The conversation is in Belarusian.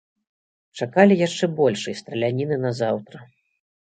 Чакалі яшчэ большай страляніны назаўтра.